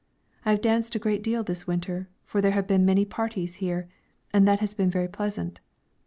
I have danced a great deal this winter, for there have been many parties here, and that has been very pleasant.